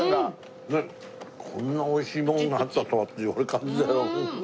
こんな美味しいものがあったとはっていう感じだよ。